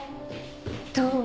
どう？